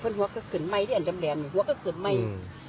เพิ่งหัวก็ขึ้นไหมเนี่ยอันดับแหลมหัวก็ขึ้นไหม